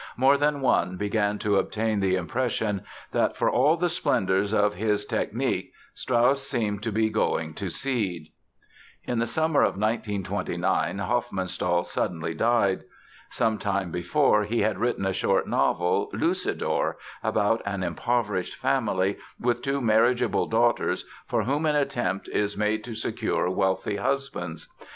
More than one began to obtain the impression that, for all the splendors of his technic Strauss seemed to be going to seed. In the summer of 1929 Hofmannsthal suddenly died. Some time before he had written a short novel, Lucidor, about an impoverished family with two marriageable daughters for whom an attempt is made to secure wealthy husbands.